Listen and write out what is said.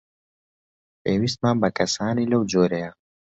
پێویستمان بە کەسانی لەو جۆرەیە.